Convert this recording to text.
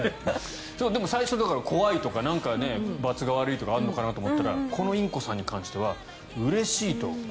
でも最初、怖いとかばつが悪いとかあるのかなと思ったらこのインコさんに関してはうれしいと。